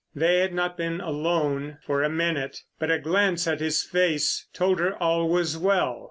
They had not been alone for a minute, but a glance at his face told her all was well.